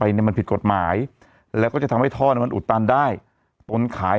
เนี่ยมันผิดกฎหมายแล้วก็จะทำให้ท่อเนี่ยมันอุดตันได้ตนขาย